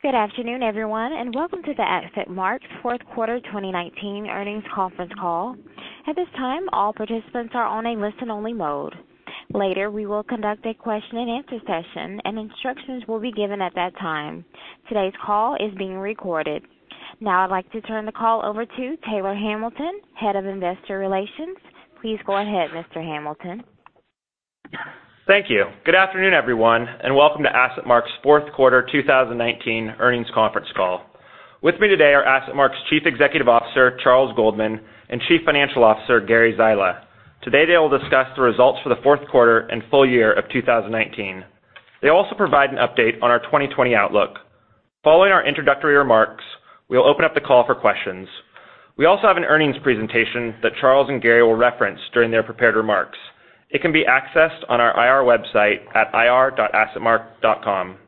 Good afternoon, everyone, and welcome to the AssetMark fourth quarter 2019 earnings conference call. At this time, all participants are on a listen-only mode. Later, we will conduct a question-and-answer session, and instructions will be given at that time. Today's call is being recorded. Now I'd like to turn the call over to Taylor Hamilton, Head of Investor Relations. Please go ahead, Mr. Hamilton. Thank you. Good afternoon, everyone, and welcome to AssetMark's fourth quarter 2019 earnings conference call. With me today are AssetMark's Chief Executive Officer, Charles Goldman, and Chief Financial Officer, Gary Zyla. Today they will discuss the results for the fourth quarter and full year of 2019. They'll also provide an update on our 2020 outlook. Following our introductory remarks, we will open up the call for questions. We also have an earnings presentation that Charles and Gary will reference during their prepared remarks. It can be accessed on our IR website at ir.assetmark.com.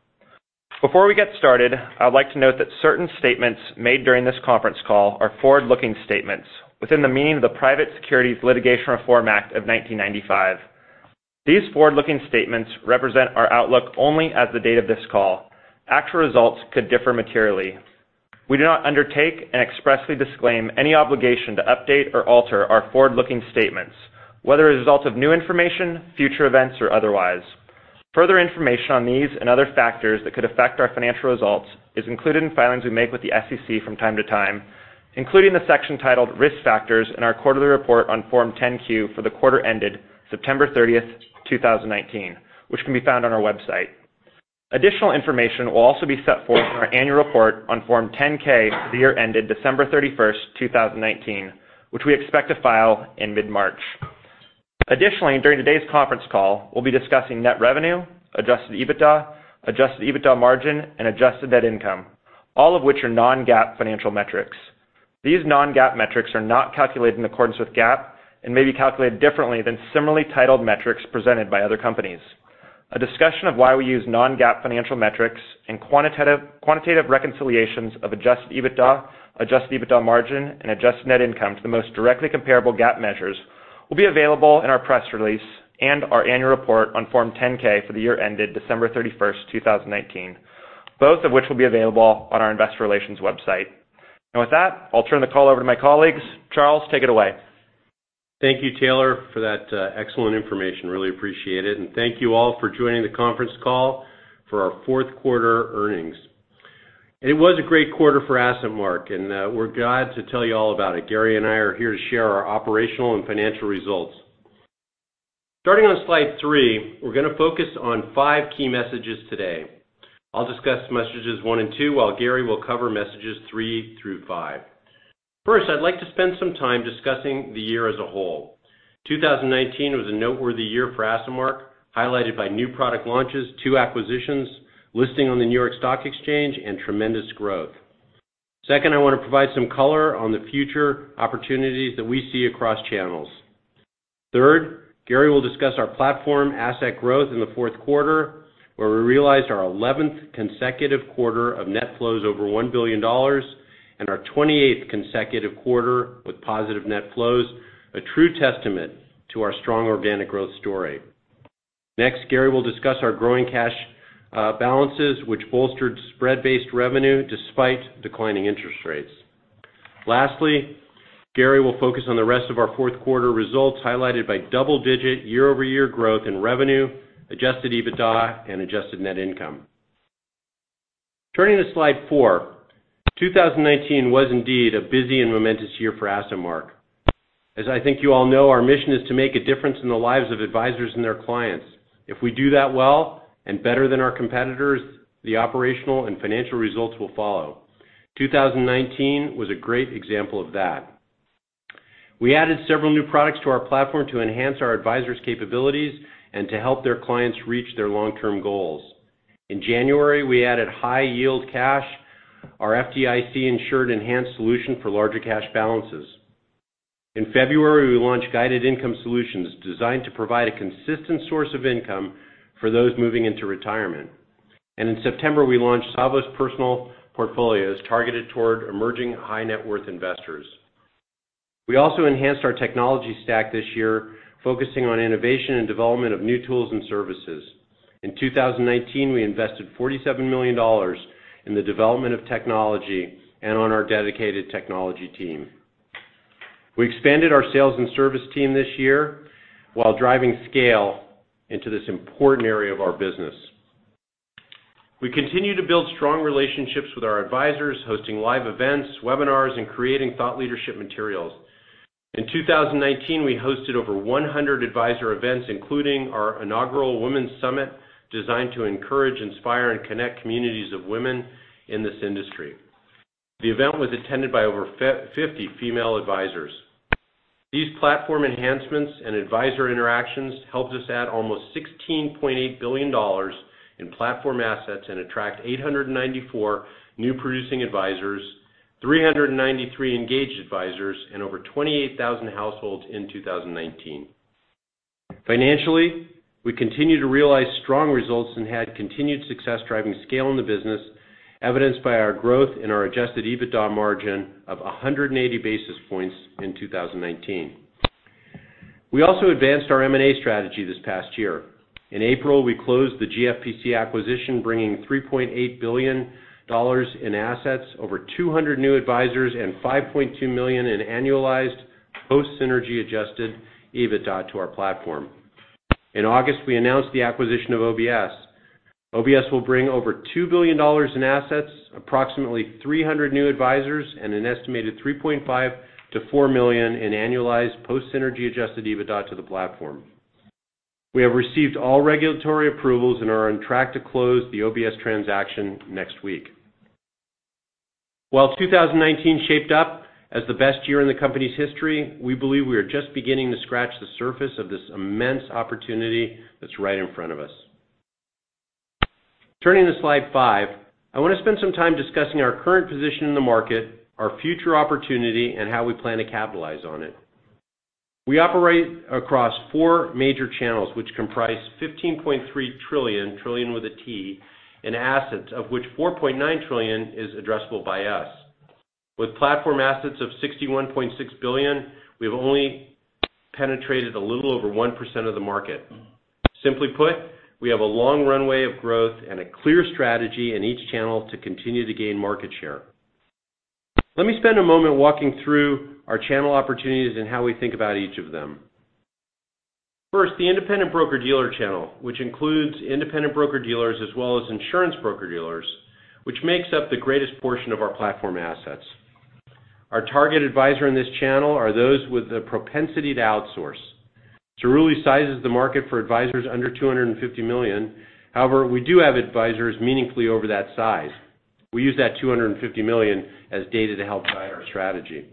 Before we get started, I would like to note that certain statements made during this conference call are forward-looking statements within the meaning of the Private Securities Litigation Reform Act of 1995. These forward-looking statements represent our outlook only as of the date of this call. Actual results could differ materially. We do not undertake and expressly disclaim any obligation to update or alter our forward-looking statements, whether as a result of new information, future events, or otherwise. Further information on these and other factors that could affect our financial results is included in filings we make with the SEC from time to time, including the section titled Risk Factors in our quarterly report on Form 10-Q for the quarter ended September 30th, 2019, which can be found on our website. Additional information will also be set forth in our annual report on Form 10-K for the year ended December 31st, 2019, which we expect to file in mid-March. Additionally, during today's conference call, we'll be discussing net revenue, adjusted EBITDA, adjusted EBITDA margin, and adjusted net income, all of which are non-GAAP financial metrics. These non-GAAP metrics are not calculated in accordance with GAAP and may be calculated differently than similarly titled metrics presented by other companies. A discussion of why we use non-GAAP financial metrics and quantitative reconciliations of adjusted EBITDA, adjusted EBITDA margin, and adjusted net income to the most directly comparable GAAP measures will be available in our press release and our annual report on Form 10-K for the year ended December 31st, 2019, both of which will be available on our investor relations website. With that, I'll turn the call over to my colleagues. Charles, take it away. Thank you, Taylor, for that excellent information. Really appreciate it. Thank you all for joining the conference call for our fourth quarter earnings. It was a great quarter for AssetMark, and we're glad to tell you all about it. Gary and I are here to share our operational and financial results. Starting on slide three, we're going to focus on five key messages today. I'll discuss messages one and two, while Gary will cover messages three through five. First, I'd like to spend some time discussing the year as a whole. 2019 was a noteworthy year for AssetMark, highlighted by new product launches, two acquisitions, listing on the New York Stock Exchange, and tremendous growth. Second, I want to provide some color on the future opportunities that we see across channels. Third, Gary will discuss our platform asset growth in the fourth quarter, where we realized our 11th consecutive quarter of net flows over $1 billion and our 28th consecutive quarter with positive net flows, a true testament to our strong organic growth story. Next, Gary will discuss our growing cash balances, which bolstered spread-based revenue despite declining interest rates. Lastly, Gary will focus on the rest of our fourth quarter results, highlighted by double-digit year-over-year growth in revenue, adjusted EBITDA, and adjusted net income. Turning to slide four. 2019 was indeed a busy and momentous year for AssetMark. As I think you all know, our mission is to make a difference in the lives of advisors and their clients. If we do that well and better than our competitors, the operational and financial results will follow. 2019 was a great example of that. We added several new products to our platform to enhance our advisors' capabilities and to help their clients reach their long-term goals. In January, we added High Yield Cash, our FDIC-insured enhanced solution for larger cash balances. In February, we launched Guided Income Solutions, designed to provide a consistent source of income for those moving into retirement. In September, we launched Savos Personal Portfolios, targeted toward emerging high-net-worth investors. We also enhanced our technology stack this year, focusing on innovation and development of new tools and services. In 2019, we invested $47 million in the development of technology and on our dedicated technology team. We expanded our sales and service team this year while driving scale into this important area of our business. We continue to build strong relationships with our advisors, hosting live events, webinars, and creating thought leadership materials. In 2019, we hosted over 100 advisor events, including our inaugural Women's Summit, designed to encourage, inspire, and connect communities of women in this industry. The event was attended by over 50 female advisors. These platform enhancements and advisor interactions helped us add almost $16.8 billion in platform assets and attract 894 New Producing Advisors, 393 engaged advisors, and over 28,000 households in 2019. Financially, we continue to realize strong results and had continued success driving scale in the business, evidenced by our growth in our adjusted EBITDA margin of 180 basis points in 2019. We also advanced our M&A strategy this past year. In April, we closed the GFPC acquisition, bringing $3.8 billion in assets, over 200 new advisors, and $5.2 million in annualized post-synergy adjusted EBITDA to our platform. In August, we announced the acquisition of OBS. OBS will bring over $2 billion in assets, approximately 300 new advisors, and an estimated $3.5 million-$4 million in annualized post-synergy adjusted EBITDA to the platform. We have received all regulatory approvals and are on track to close the OBS transaction next week. While 2019 shaped up as the best year in the company's history, we believe we are just beginning to scratch the surface of this immense opportunity that's right in front of us. Turning to slide five, I want to spend some time discussing our current position in the market, our future opportunity, and how we plan to capitalize on it. We operate across four major channels, which comprise $15.3 trillion with a T, in assets, of which $4.9 trillion is addressable by us. With platform assets of $61.6 billion, we've only penetrated a little over 1% of the market. Simply put, we have a long runway of growth and a clear strategy in each channel to continue to gain market share. Let me spend a moment walking through our channel opportunities and how we think about each of them. First, the independent broker-dealer channel, which includes independent broker-dealers as well as insurance broker-dealers, which makes up the greatest portion of our platform assets. Our target advisor in this channel are those with the propensity to outsource. Cerulli sizes the market for advisors under $250 million. We do have advisors meaningfully over that size. We use that $250 million as data to help guide our strategy.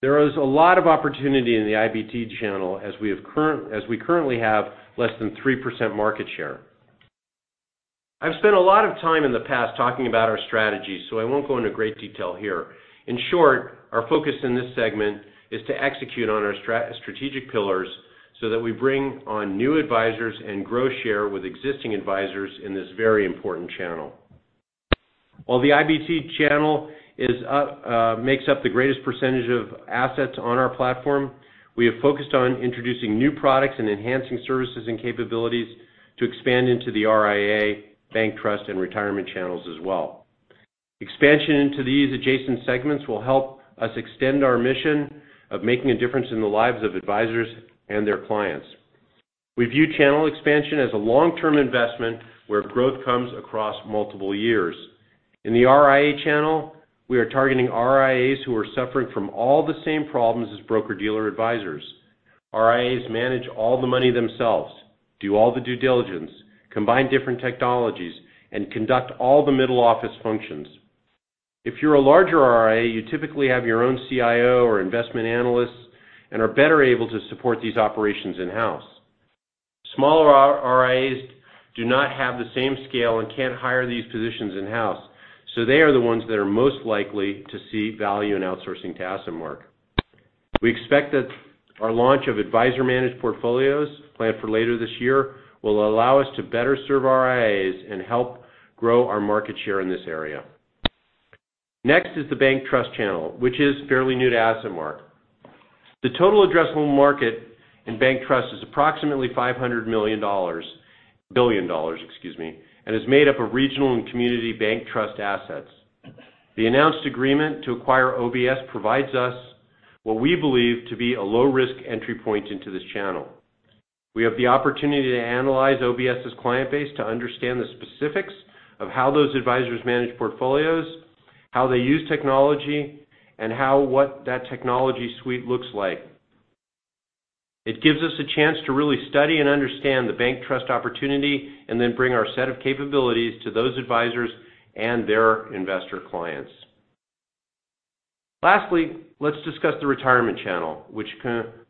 There is a lot of opportunity in the IBD channel as we currently have less than 3% market share. I've spent a lot of time in the past talking about our strategy. I won't go into great detail here. In short, our focus in this segment is to execute on our strategic pillars so that we bring on new advisors and grow share with existing advisors in this very important channel. While the IBD channel makes up the greatest percentage of assets on our platform, we have focused on introducing new products and enhancing services and capabilities to expand into the RIA, bank trust, and retirement channels as well. Expansion into these adjacent segments will help us extend our mission of making a difference in the lives of advisors and their clients. We view channel expansion as a long-term investment where growth comes across multiple years. In the RIA channel, we are targeting RIAs who are suffering from all the same problems as broker-dealer advisors. RIAs manage all the money themselves, do all the due diligence, combine different technologies, and conduct all the middle office functions. If you're a larger RIA, you typically have your own CIO or investment analysts and are better able to support these operations in-house. Smaller RIAs do not have the same scale and can't hire these positions in-house, they are the ones that are most likely to see value in outsourcing to AssetMark. We expect that our launch of advisor-managed portfolios, planned for later this year, will allow us to better serve RIAs and help grow our market share in this area. Next is the bank trust channel, which is fairly new to AssetMark. The total addressable market in bank trust is approximately $500 billion and is made up of regional and community bank trust assets. The announced agreement to acquire OBS provides us what we believe to be a low-risk entry point into this channel. We have the opportunity to analyze OBS's client base to understand the specifics of how those advisors manage portfolios, how they use technology, and what that technology suite looks like. It gives us a chance to really study and understand the bank trust opportunity then bring our set of capabilities to those advisors and their investor clients. Lastly, let's discuss the retirement channel, which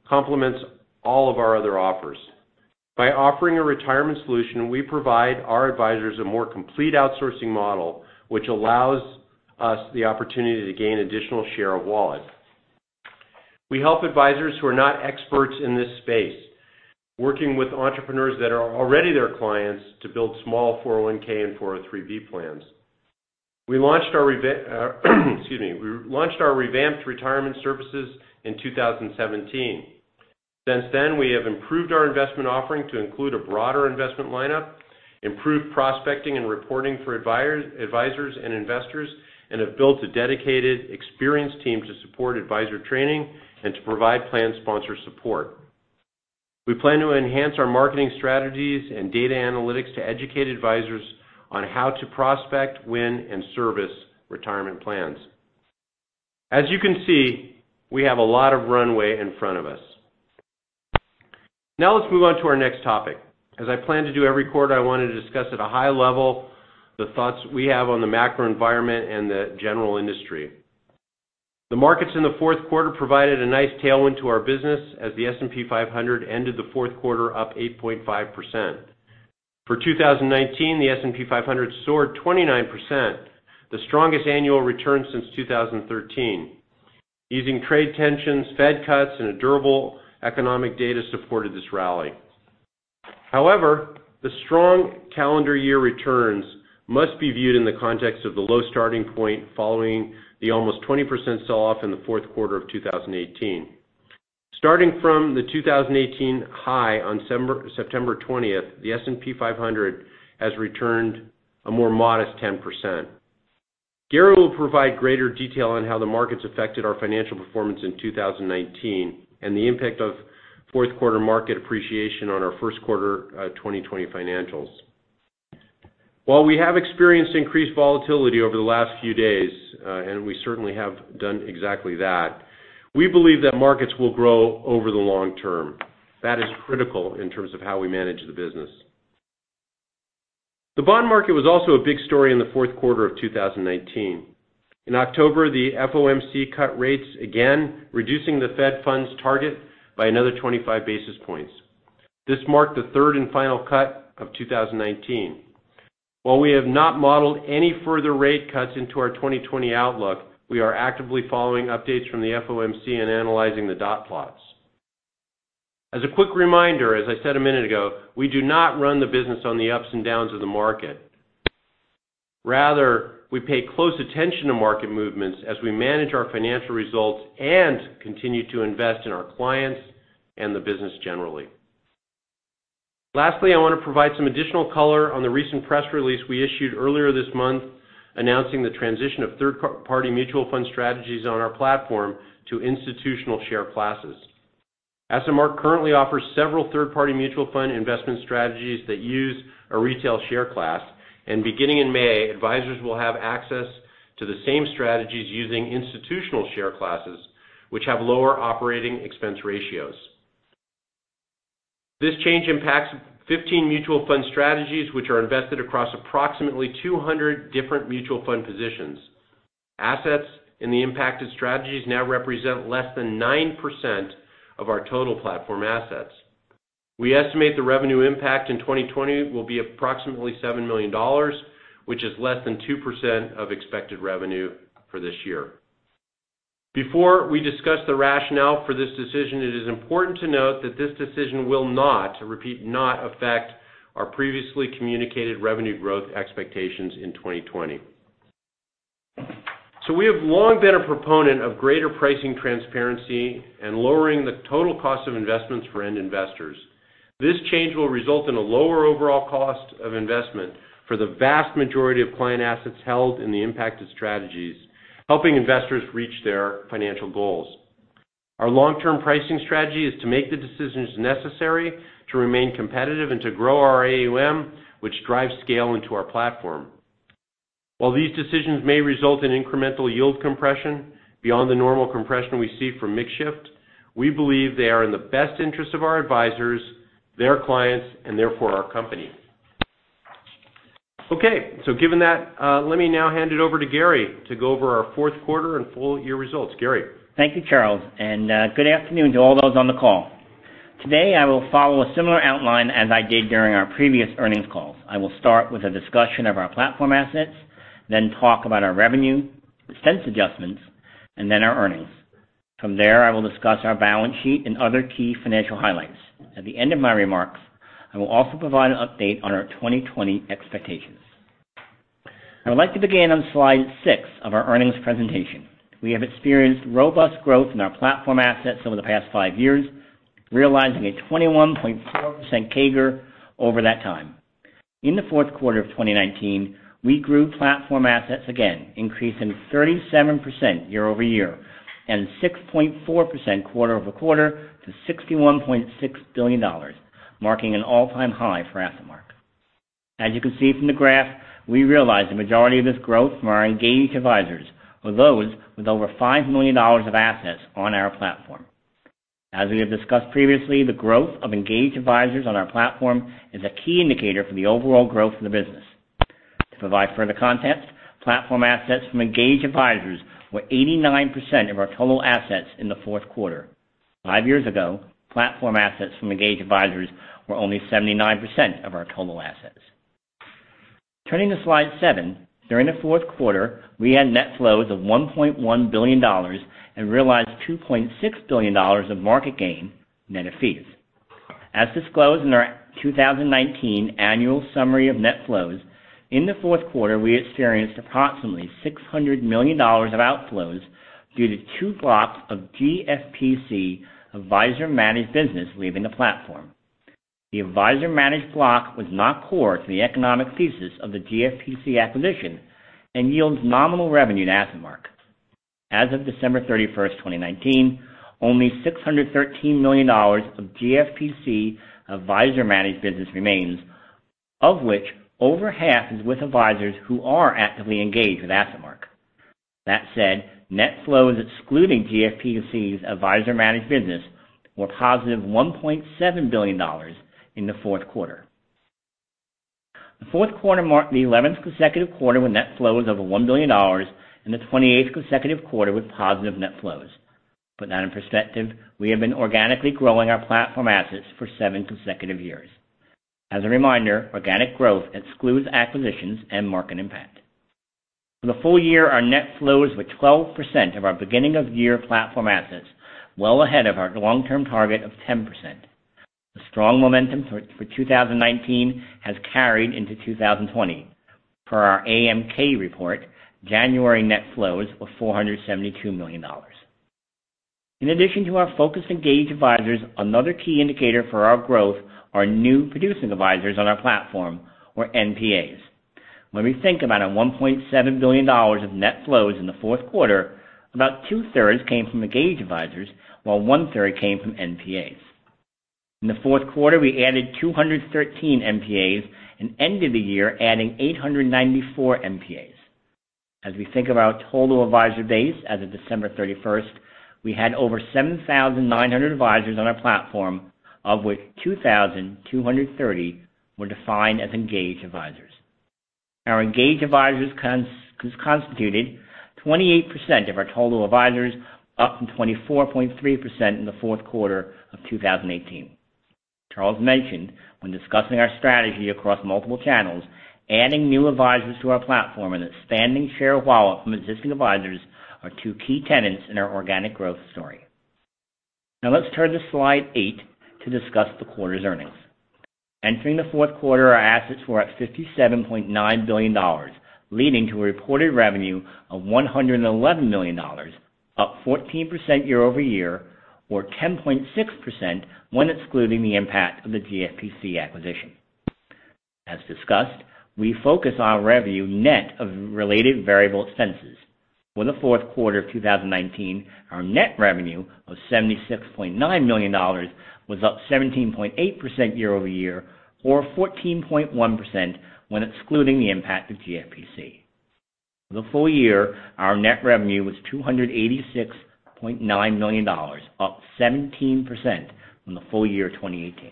complements all of our other offers. By offering a retirement solution, we provide our advisors a more complete outsourcing model, which allows us the opportunity to gain additional share of wallet. We help advisors who are not experts in this space, working with entrepreneurs that are already their clients to build small 401 and 403 plans. We launched our revamped retirement services in 2017. Since then, we have improved our investment offering to include a broader investment lineup, improved prospecting and reporting for advisors and investors, and have built a dedicated, experienced team to support advisor training and to provide plan sponsor support. We plan to enhance our marketing strategies and data analytics to educate advisors on how to prospect, win, and service retirement plans. As you can see, we have a lot of runway in front of us. Now let's move on to our next topic. As I plan to do every quarter, I want to discuss at a high level the thoughts we have on the macro environment and the general industry. The markets in the fourth quarter provided a nice tailwind to our business as the S&P 500 ended the fourth quarter up 8.5%. For 2019, the S&P 500 soared 29%, the strongest annual return since 2013. Easing trade tensions, Fed cuts, and durable economic data supported this rally. However, the strong calendar year returns must be viewed in the context of the low starting point following the almost 20% sell-off in the fourth quarter of 2018. Starting from the 2018 high on September 20th, the S&P 500 has returned a more modest 10%. Gary will provide greater detail on how the market's affected our financial performance in 2019 and the impact of fourth quarter market appreciation on our first quarter 2020 financials. While we have experienced increased volatility over the last few days, and we certainly have done exactly that, we believe that markets will grow over the long term. That is critical in terms of how we manage the business. The bond market was also a big story in the fourth quarter of 2019. In October, the FOMC cut rates again, reducing the Fed funds target by another 25 basis points. This marked the third and final cut of 2019. While we have not modeled any further rate cuts into our 2020 outlook, we are actively following updates from the FOMC and analyzing the dot plots. As a quick reminder, as I said a minute ago, we do not run the business on the ups and downs of the market. Rather, we pay close attention to market movements as we manage our financial results and continue to invest in our clients and the business generally. Lastly, I want to provide some additional color on the recent press release we issued earlier this month announcing the transition of third-party mutual fund strategies on our platform to institutional share classes. AssetMark currently offers several third-party mutual fund investment strategies that use a retail share class, and beginning in May, advisors will have access to the same strategies using institutional share classes, which have lower operating expense ratios. This change impacts 15 mutual fund strategies, which are invested across approximately 200 different mutual fund positions. Assets in the impacted strategies now represent less than 9% of our total platform assets. We estimate the revenue impact in 2020 will be approximately $7 million, which is less than 2% of expected revenue for this year. Before we discuss the rationale for this decision, it is important to note that this decision will not, I repeat, not affect our previously communicated revenue growth expectations in 2020. We have long been a proponent of greater pricing transparency and lowering the total cost of investments for end investors. This change will result in a lower overall cost of investment for the vast majority of client assets held in the impacted strategies, helping investors reach their financial goals. Our long-term pricing strategy is to make the decisions necessary to remain competitive and to grow our AUM, which drives scale into our platform. While these decisions may result in incremental yield compression beyond the normal compression we see from mix shift, we believe they are in the best interest of our advisors, their clients, and therefore our company. Given that, let me now hand it over to Gary to go over our fourth quarter and full-year results. Gary? Thank you, Charles, and good afternoon to all those on the call. Today, I will follow a similar outline as I did during our previous earnings calls. I will start with a discussion of our platform assets, then talk about our revenue, expense adjustments, and then our earnings. From there, I will discuss our balance sheet and other key financial highlights. At the end of my remarks, I will also provide an update on our 2020 expectations. I would like to begin on slide six of our earnings presentation. We have experienced robust growth in our platform assets over the past five years, realizing a 21.4% CAGR over that time. In the fourth quarter of 2019, we grew platform assets again, increasing 37% year-over-year and 6.4% quarter-over-quarter to $61.6 billion, marking an all-time high for AssetMark. As you can see from the graph, we realized the majority of this growth from our engaged advisors or those with over $5 million of assets on our platform. As we have discussed previously, the growth of engaged advisors on our platform is a key indicator for the overall growth of the business. To provide further context, platform assets from engaged advisors were 89% of our total assets in the fourth quarter. Five years ago, platform assets from engaged advisors were only 79% of our total assets. Turning to slide seven. During the fourth quarter, we had net flows of $1.1 billion and realized $2.6 billion of market gain net of fees. As disclosed in our 2019 annual summary of net flows, in the fourth quarter, we experienced approximately $600 million of outflows due to two blocks of GFPC advisor-managed business leaving the platform. The advisor-managed block was not core to the economic thesis of the GFPC acquisition and yields nominal revenue to AssetMark. As of December 31st, 2019, only $613 million of GFPC advisor-managed business remains, of which over half is with advisors who are actively engaged with AssetMark. That said, net flows excluding GFPC's advisor-managed business were positive $1.7 billion in the fourth quarter. The fourth quarter marked the 11th consecutive quarter when net flow is over $1 billion and the 28th consecutive quarter with positive net flows. To put that in perspective, we have been organically growing our platform assets for seven consecutive years. As a reminder, organic growth excludes acquisitions and market impact. For the full year, our net flows were 12% of our beginning of year platform assets, well ahead of our long-term target of 10%. The strong momentum for 2019 has carried into 2020. Per our AMK Report, January net flows were $472 million. In addition to our focused engaged advisors, another key indicator for our growth are New Producing Advisors on our platform, or NPAs. We think about $1.7 billion of net flows in the fourth quarter, about 2/3 came from engaged advisors, while 1/3 came from NPAs. In the fourth quarter, we added 213 NPAs and ended the year adding 894 NPAs. We think of our total advisor base as of December 31st, we had over 7,900 advisors on our platform, of which 2,230 were defined as engaged advisors. Our engaged advisors constituted 28% of our total advisors, up from 24.3% in the fourth quarter of 2018. Charles mentioned when discussing our strategy across multiple channels, adding new advisors to our platform and expanding share of wallet from existing advisors are two key tenets in our organic growth story. Now let's turn to slide eight to discuss the quarter's earnings. Entering the fourth quarter, our assets were at $57.9 billion, leading to a reported revenue of $111 million, up 14% year-over-year or 10.6% when excluding the impact of the GFPC acquisition. As discussed, we focus on revenue net of related variable expenses. For the fourth quarter of 2019, our net revenue of $76.9 million was up 17.8% year-over-year, or 14.1% when excluding the impact of GFPC. For the full year, our net revenue was $286.9 million, up 17% from the full year 2018.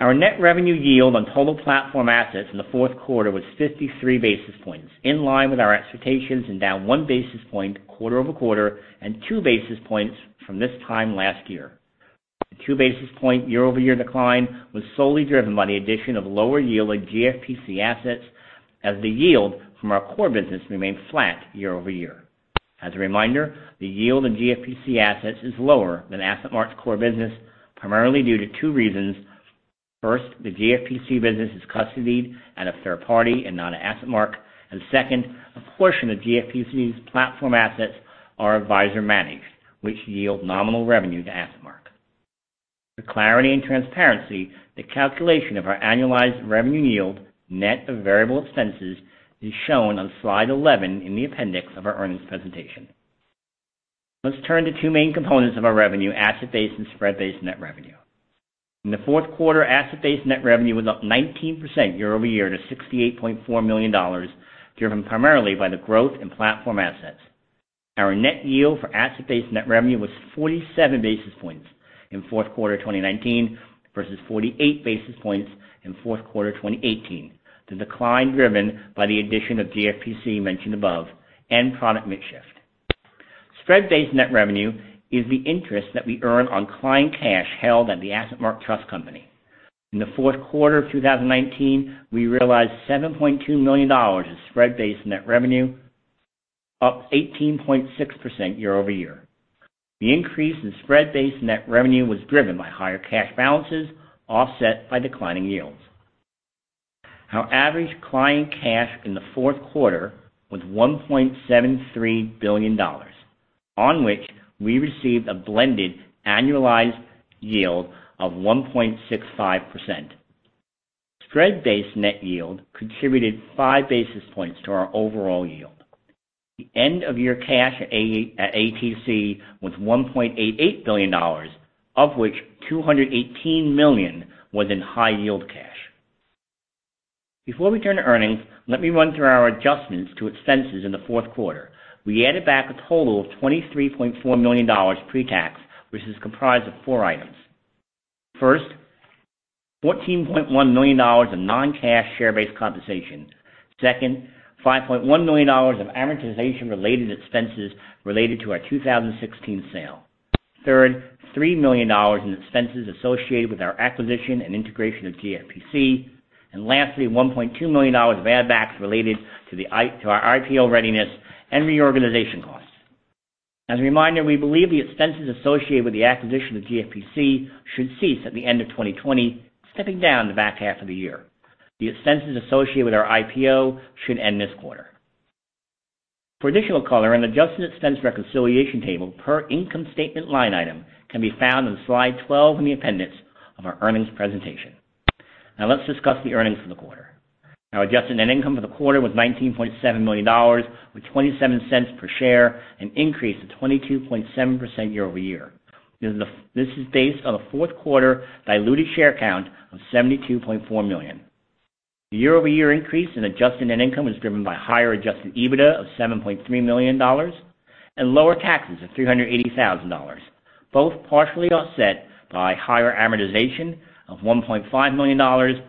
Our net revenue yield on total platform assets in the fourth quarter was 53 basis points, in line with our expectations and down one basis point quarter-over-quarter and two basis points from this time last year. The two basis point year-over-year decline was solely driven by the addition of lower yielding GFPC assets as the yield from our core business remained flat year-over-year. As a reminder, the yield of GFPC assets is lower than AssetMark's core business, primarily due to two reasons. First, the GFPC business is custodied at a third party and not at AssetMark. Second, a portion of GFPC's platform assets are advisor managed, which yield nominal revenue to AssetMark. For clarity and transparency, the calculation of our annualized revenue yield, net of variable expenses, is shown on slide 11 in the appendix of our earnings presentation. Let's turn to two main components of our revenue, asset-based and spread-based net revenue. In the fourth quarter, asset-based net revenue was up 19% year-over-year to $68.4 million, driven primarily by the growth in platform assets. Our net yield for asset-based net revenue was 47 basis points in fourth quarter 2019 versus 48 basis points in fourth quarter 2018. The decline driven by the addition of GFPC mentioned above and product mix shift. Spread-based net revenue is the interest that we earn on client cash held at the AssetMark Trust Company. In the fourth quarter of 2019, we realized $7.2 million in spread-based net revenue, up 18.6% year-over-year. The increase in spread-based net revenue was driven by higher cash balances offset by declining yields. Our average client cash in the fourth quarter was $1.73 billion, on which we received a blended annualized yield of 1.65%. Spread-based net yield contributed five basis points to our overall yield. The end of year cash at ATC was $1.88 billion, of which $218 million was in High Yield Cash. Before we turn to earnings, let me run through our adjustments to expenses in the fourth quarter. We added back a total of $23.4 million pre-tax, which is comprised of four items. First, $14.1 million in non-cash share-based compensation. Second, $5.1 million of amortization-related expenses related to our 2016 sale. Third, $3 million in expenses associated with our acquisition and integration of GFPC. Lastly, $1.2 million of add backs related to our IPO readiness and reorganization costs. As a reminder, we believe the expenses associated with the acquisition of GFPC should cease at the end of 2020, stepping down the back half of the year. The expenses associated with our IPO should end this quarter. For additional color, an adjusted expense reconciliation table per income statement line item can be found on slide 12 in the appendix of our earnings presentation. Now let's discuss the earnings for the quarter. Our adjusted net income for the quarter was $19.7 million, with $0.27 per share, an increase of 22.7% year-over-year. This is based on a fourth quarter diluted share count of 72.4 million. The year-over-year increase in adjusted net income was driven by higher adjusted EBITDA of $7.3 million and lower taxes of $380,000, both partially offset by higher amortization of $1.5 million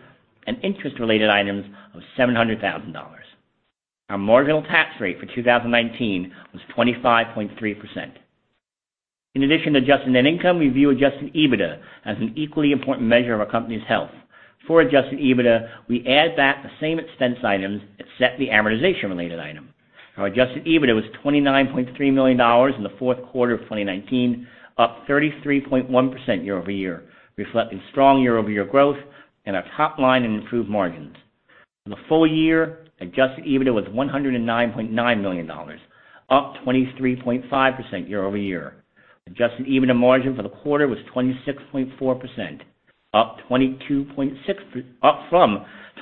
and interest related items of $700,000. Our marginal tax rate for 2019 was 25.3%. In addition to adjusted net income, we view adjusted EBITDA as an equally important measure of our company's health. For adjusted EBITDA, we add back the same expense items, except the amortization-related item. Our adjusted EBITDA was $29.3 million in the fourth quarter of 2019, up 33.1% year-over-year, reflecting strong year-over-year growth in our top line and improved margins. In the full year, adjusted EBITDA was $109.9 million, up 23.5% year-over-year. Adjusted EBITDA margin for the quarter was 26.4%, up from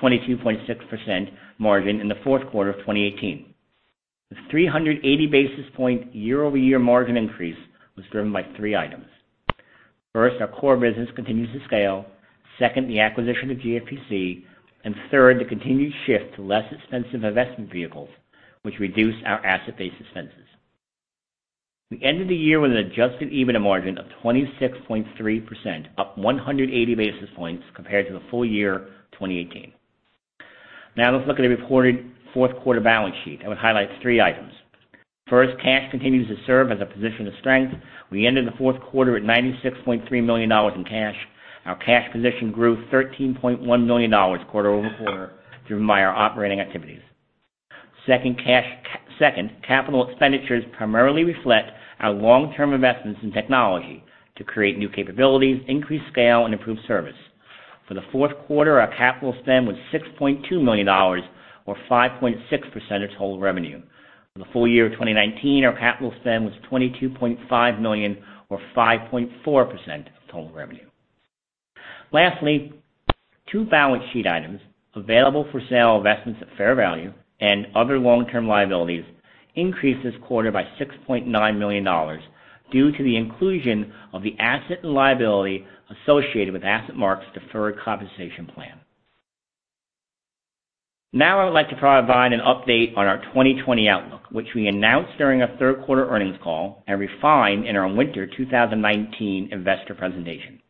22.6% margin in the fourth quarter of 2018. This 380 basis point year-over-year margin increase was driven by three items. First, our core business continues to scale. Second, the acquisition of GFPC. Third, the continued shift to less expensive investment vehicles, which reduce our asset-based expenses. We ended the year with an adjusted EBITDA margin of 26.3%, up 180 basis points compared to the full year 2018. Let's look at the reported fourth quarter balance sheet. I would highlight three items. First, cash continues to serve as a position of strength. We ended the fourth quarter at $96.3 million in cash. Our cash position grew $13.1 million quarter-over-quarter, driven by our operating activities. Second, capital expenditures primarily reflect our long-term investments in technology to create new capabilities, increase scale, and improve service. For the fourth quarter, our capital spend was $6.2 million, or 5.6% of total revenue. For the full year of 2019, our capital spend was $22.5 million, or 5.4% of total revenue. Lastly, two balance sheet items, available for sale investments at fair value and other long-term liabilities, increased this quarter by $6.9 million due to the inclusion of the asset and liability associated with AssetMark's deferred compensation plan. I would like to provide an update on our 2020 outlook, which we announced during our third quarter earnings call and refined in our winter 2019 investor presentation.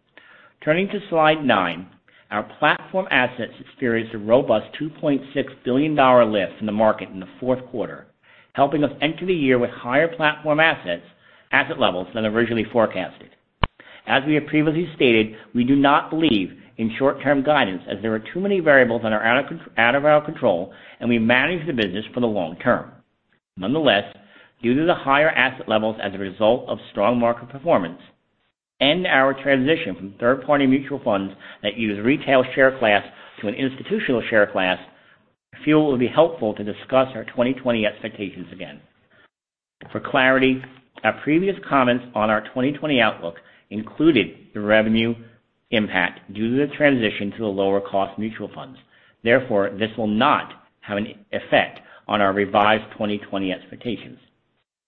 Turning to Slide nine, our platform assets experienced a robust $2.6 billion lift in the market in the fourth quarter, helping us enter the year with higher platform asset levels than originally forecasted. As we have previously stated, we do not believe in short-term guidance, as there are too many variables that are out of our control, and we manage the business for the long term. Nonetheless, due to the higher asset levels as a result of strong market performance and our transition from third-party mutual funds that use retail share class to an institutional share class, I feel it would be helpful to discuss our 2020 expectations again. For clarity, our previous comments on our 2020 outlook included the revenue impact due to the transition to the lower cost mutual funds. Therefore, this will not have an effect on our revised 2020 expectations.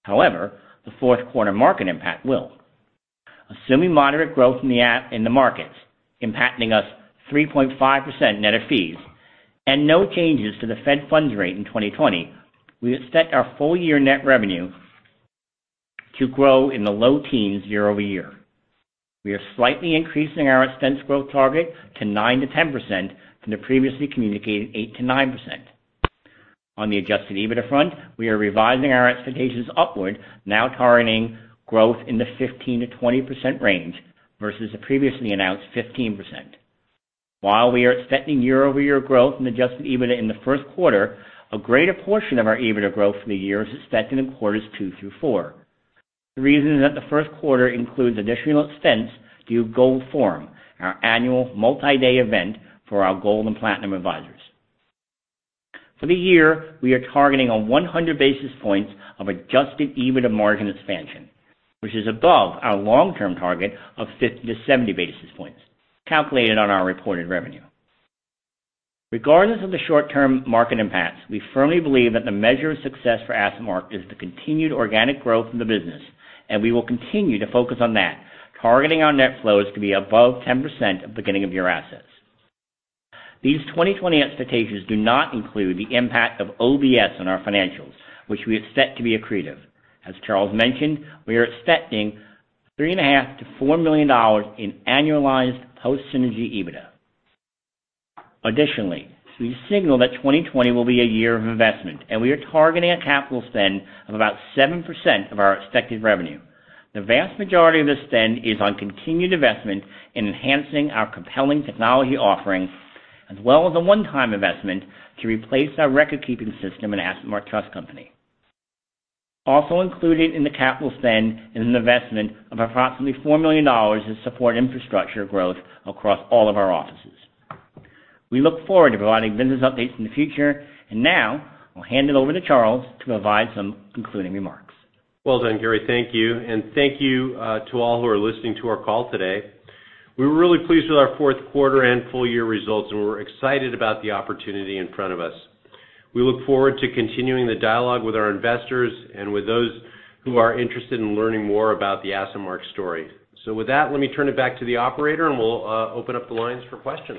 However, the fourth quarter market impact will. Assuming moderate growth in the markets, impacting us 3.5% net of fees, and no changes to the Fed funds rate in 2020, we expect our full year net revenue to grow in the low teens year-over-year. We are slightly increasing our expense growth target to 9%-10% from the previously communicated 8%-9%. On the adjusted EBITDA front, we are revising our expectations upward, now targeting growth in the 15%-20% range versus the previously announced 15%. While we are expecting year-over-year growth in adjusted EBITDA in the first quarter, a greater portion of our EBITDA growth for the year is expected in quarters two through four. The reason is that the first quarter includes additional expense due to Gold Forum, our annual multi-day event for our gold and platinum advisors. For the year, we are targeting 100 basis points of adjusted EBITDA margin expansion, which is above our long-term target of 50 to 70 basis points, calculated on our reported revenue. Regardless of the short-term market impacts, we firmly believe that the measure of success for AssetMark is the continued organic growth of the business, and we will continue to focus on that, targeting our net flows to be above 10% of beginning of year assets. These 2020 expectations do not include the impact of OBS on our financials, which we expect to be accretive. As Charles mentioned, we are expecting $3.5 million-$4 million in annualized post-synergy EBITDA. Additionally, we signal that 2020 will be a year of investment, and we are targeting a capital spend of about 7% of our expected revenue. The vast majority of this spend is on continued investment in enhancing our compelling technology offerings, as well as a one-time investment to replace our recordkeeping system in AssetMark Trust Company. Also included in the capital spend is an investment of approximately $4 million to support infrastructure growth across all of our offices. We look forward to providing business updates in the future. Now, I'll hand it over to Charles to provide some concluding remarks. Well done, Gary. Thank you. Thank you to all who are listening to our call today. We're really pleased with our fourth quarter and full year results, and we're excited about the opportunity in front of us. We look forward to continuing the dialogue with our investors and with those who are interested in learning more about the AssetMark story. With that, let me turn it back to the operator, and we'll open up the lines for questions.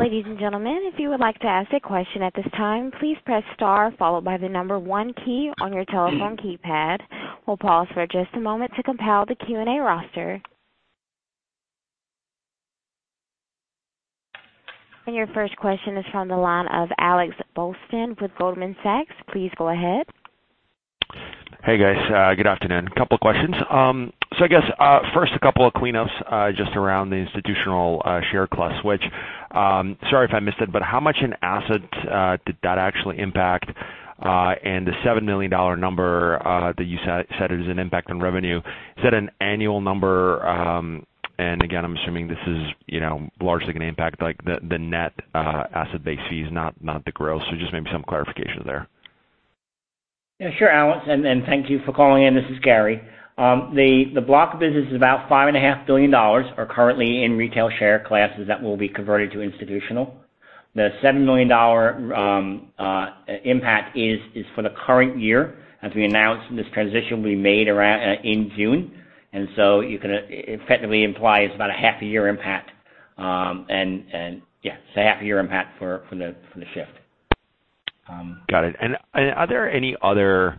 Ladies and gentlemen, if you would like to ask a question at this time, please press star followed by the number one key on your telephone keypad. We'll pause for just a moment to compile the Q&A roster. Your first question is from the line of Alex Blostein with Goldman Sachs. Please go ahead. Hey, guys. Good afternoon. A couple questions. I guess, first a couple of cleanups just around the institutional share class switch. Sorry if I missed it, how much in assets did that actually impact? The $7 million number that you said is an impact on revenue, is that an annual number? Again, I'm assuming this is largely going to impact the net asset-based fees, not the gross. Just maybe some clarification there. Yeah, sure, Alex. Thank you for calling in. This is Gary. The block of business is about $5.5 billion are currently in retail share classes that will be converted to institutional. The $7 million impact is for the current year, as we announced this transition will be made in June. It effectively implies about a half a year impact. Yeah, it's a half a year impact from the shift. Got it. Are there any other,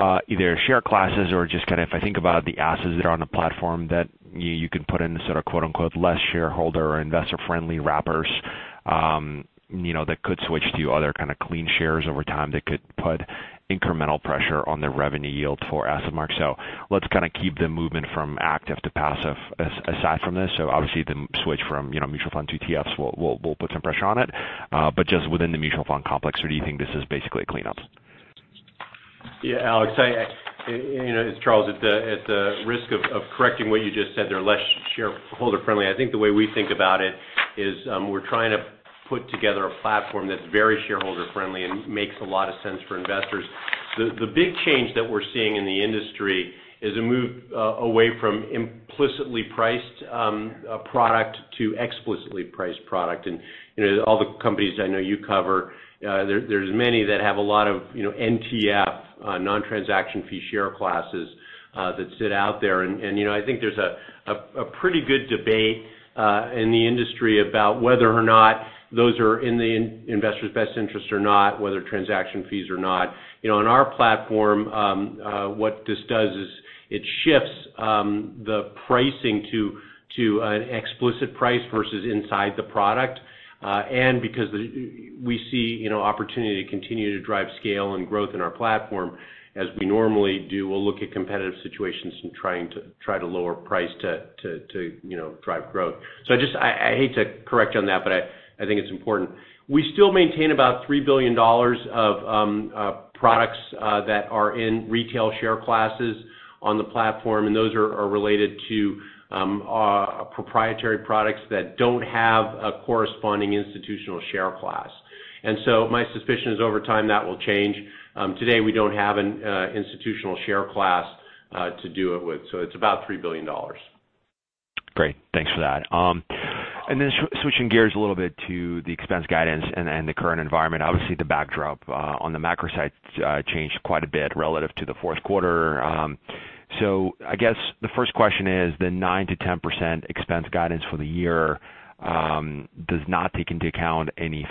either share classes or just kind of if I think about the assets that are on the platform that you can put in sort of less shareholder or investor-friendly wrappers that could switch to other kind of clean shares over time that could put incremental pressure on the revenue yield for AssetMark? Let's kind of keep the movement from active to passive aside from this. Obviously the switch from mutual fund to ETFs will put some pressure on it, but just within the mutual fund complex, or do you think this is basically a cleanup? Yeah, Alex, it's Charles. At the risk of correcting what you just said, they're less shareholder-friendly. I think the way we think about it is we're trying to put together a platform that's very shareholder-friendly and makes a lot of sense for investors. The big change that we're seeing in the industry is a move away from implicitly priced product to explicitly priced product. All the companies I know you cover, there's many that have a lot of NTF, non-transaction fee share classes that sit out there. I think there's a pretty good debate in the industry about whether or not those are in the investor's best interest or not, whether transaction fees or not. In our platform, what this does is it shifts the pricing to an explicit price versus inside the product, because we see opportunity to continue to drive scale and growth in our platform, as we normally do, we'll look at competitive situations and try to lower price to drive growth. I hate to correct on that, but I think it's important. We still maintain about $3 billion of products that are in retail share classes on the platform, and those are related to proprietary products that don't have a corresponding institutional share class. My suspicion is over time that will change. Today, we don't have an institutional share class to do it with. It's about $3 billion. Great. Thanks for that. Then switching gears a little bit to the expense guidance and the current environment. Obviously, the backdrop on the macro side changed quite a bit relative to the fourth quarter. I guess the first question is the 9% to 10% expense guidance for the year does not take into account any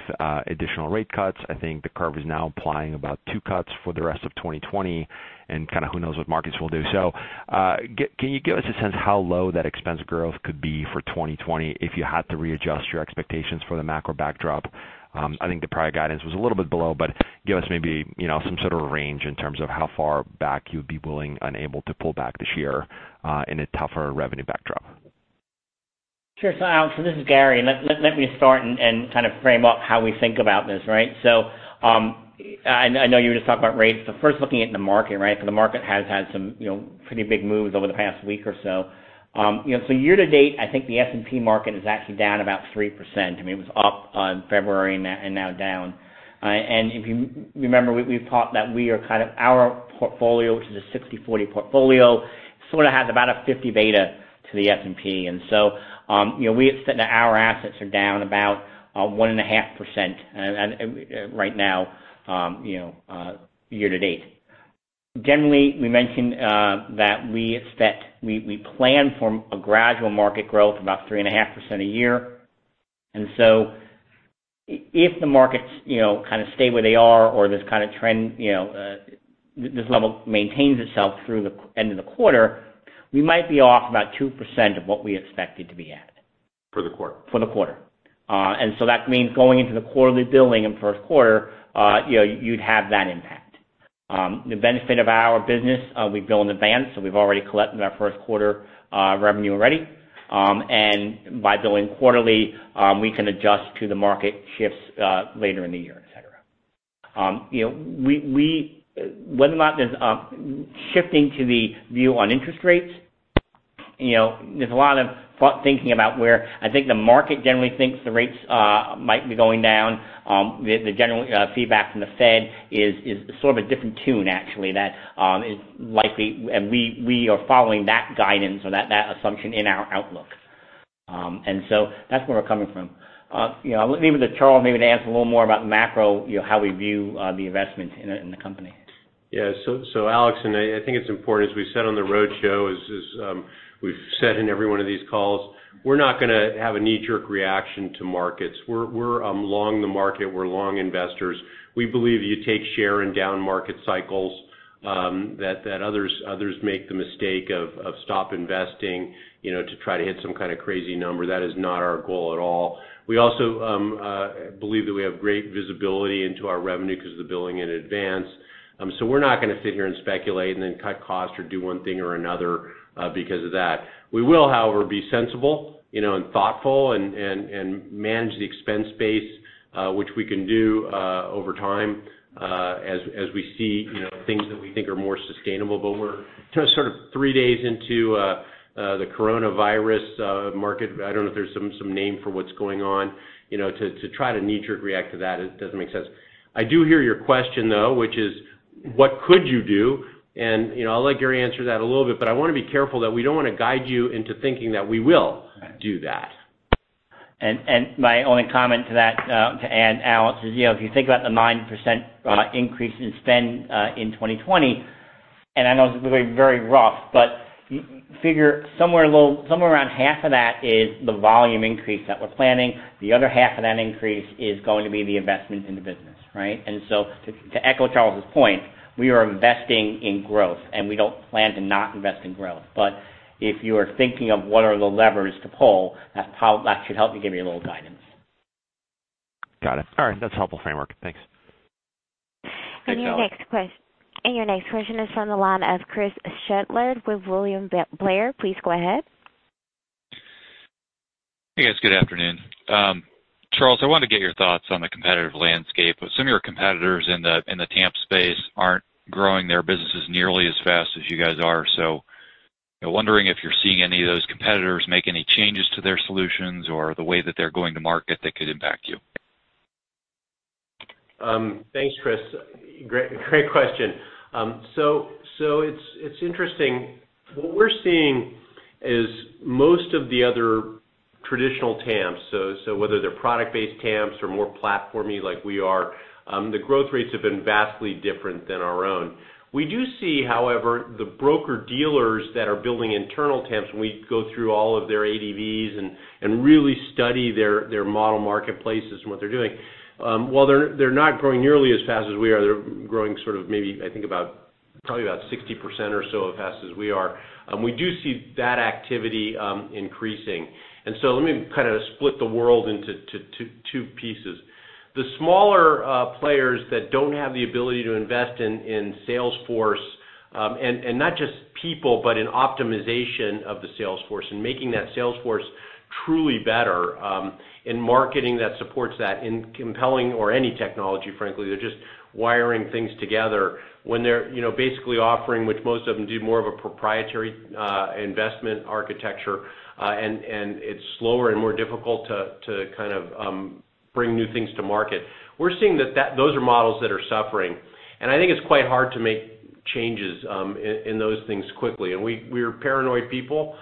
additional rate cuts. I think the curve is now implying about two cuts for the rest of 2020, and kind of who knows what markets will do. Can you give us a sense how low that expense growth could be for 2020 if you had to readjust your expectations for the macro backdrop? The prior guidance was a little bit below, but give us maybe some sort of range in terms of how far back you would be willing and able to pull back this year in a tougher revenue backdrop. Sure. Alex, this is Gary. Let me start and kind of frame up how we think about this, right? I know you were just talking about rates, but first looking at the market, right? Because the market has had some pretty big moves over the past week or so. Year-to-date, I think the S&P marking is actually down about 3%. I mean, it was up on February and now down. If you remember, we've talked that we are kind of our portfolio, which is a 60/40 portfolio, sort of has about a 50 beta to the S&P. We expect that our assets are down about 1.5% right now year-to-date. Generally, we mentioned that we plan for a gradual market growth about 3.5% a year. If the markets kind of stay where they are or this kind of trend, this level maintains itself through the end of the quarter, we might be off about 2% of what we expected to be at. For the quarter. For the quarter. That means going into the quarterly billing in first quarter you'd have that impact. The benefit of our business, we bill in advance, so we've already collected our first quarter revenue already. By billing quarterly, we can adjust to the market shifts later in the year, et cetera. Shifting to the view on interest rates, there's a lot of thinking about where I think the market generally thinks the rates might be going down. The general feedback from the Fed is sort of a different tune actually that is likely, and we are following that guidance or that assumption in our outlook. That's where we're coming from. I'll leave it to Charles maybe to answer a little more about macro, how we view the investment in the company. Alex, I think it's important, as we said on the roadshow, as we've said in every one of these calls, we're not going to have a knee-jerk reaction to markets. We're long the market. We're long investors. We believe you take share in down market cycles that others make the mistake of stop investing to try to hit some kind of crazy number. That is not our goal at all. We also believe that we have great visibility into our revenue because of the billing in advance. We're not going to sit here and speculate and then cut costs or do one thing or another because of that. We will, however, be sensible and thoughtful and manage the expense base, which we can do over time as we see things that we think are more sustainable. We're sort of three days into the coronavirus market. I don't know if there's some name for what's going on. To try to knee-jerk react to that, it doesn't make sense. I do hear your question, though, which is what could you do? I'll let Gary answer that a little bit, but I want to be careful that we don't want to guide you into thinking that we will do that. My only comment to that, to add, Alex, is if you think about the 9% increase in spend in 2020, and I know this is going to be very rough, but figure somewhere around half of that is the volume increase that we're planning. The other half of that increase is going to be the investment in the business. Right. To echo Charles' point, we are investing in growth, and we don't plan to not invest in growth. If you are thinking of what are the levers to pull, that should help give you a little guidance. Got it. All right. That's helpful framework. Thanks. Thanks, Alex. Your next question is from the line of Chris Shutler with William Blair. Please go ahead. Hey, guys. Good afternoon. Charles, I wanted to get your thoughts on the competitive landscape. Some of your competitors in the TAMP space aren't growing their businesses nearly as fast as you guys are. Wondering if you're seeing any of those competitors make any changes to their solutions or the way that they're going to market that could impact you. Thanks, Chris. Great question. It's interesting. What we're seeing is most of the other traditional TAMPs, so whether they're product-based TAMPs or more platformy like we are, the growth rates have been vastly different than our own. We do see, however, the broker-dealers that are building internal TAMPs, and we go through all of their ADVs and really study their model marketplaces and what they're doing. While they're not growing nearly as fast as we are, they're growing sort of maybe, about 60% or so as fast as we are. We do see that activity increasing. Let me kind of split the world into two pieces. The smaller players that don't have the ability to invest in sales force, not just people, but in optimization of the sales force, making that sales force truly better, in marketing that supports that, in compelling or any technology, frankly. They're just wiring things together when they're basically offering, which most of them do more of a proprietary investment architecture. It's slower and more difficult to kind of bring new things to market. We're seeing that those are models that are suffering, I think it's quite hard to make changes in those things quickly. We're paranoid people.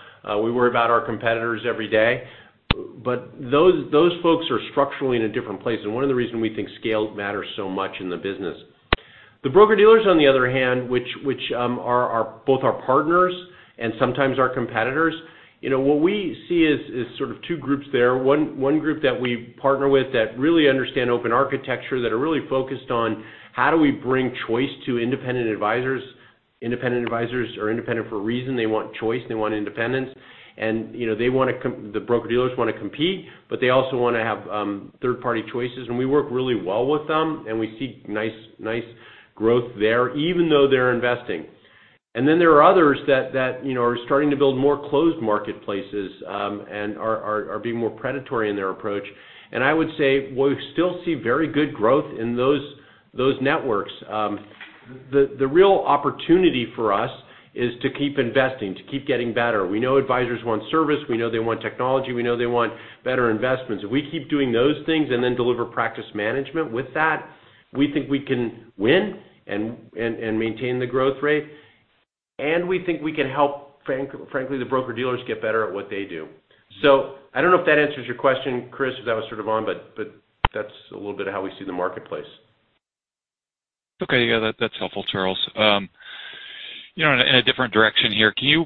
We worry about our competitors every day. Those folks are structurally in a different place, one of the reasons we think scale matters so much in the business. The broker-dealers, on the other hand, which are both our partners and sometimes our competitors. What we see is sort of two groups there. One group that we partner with that really understand open architecture, that are really focused on how do we bring choice to independent advisors. Independent advisors are independent for a reason. They want choice, they want independence. The broker-dealers want to compete, but they also want to have third-party choices, and we work really well with them, and we see nice growth there, even though they're investing. There are others that are starting to build more closed marketplaces, and are being more predatory in their approach. I would say we still see very good growth in those networks. The real opportunity for us is to keep investing, to keep getting better. We know advisors want service, we know they want technology, we know they want better investments. If we keep doing those things and then deliver practice management with that, we think we can win and maintain the growth rate. We think we can help, frankly, the broker-dealers get better at what they do. I don't know if that answers your question, Chris, if that was sort of on, but that's a little bit of how we see the marketplace. Okay. Yeah, that's helpful, Charles. In a different direction here, can you